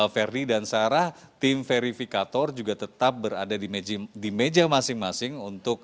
verdi dan sarah tim verifikator juga tetap berada di meja masing masing